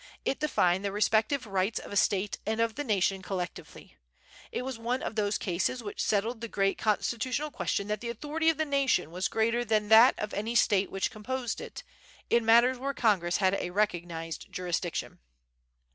It defined the respective rights of a State and of the Nation collectively. It was one of those cases which settled the great constitutional question that the authority of the Nation was greater than that of any State which composed it, in matters where Congress had a recognized jurisdiction.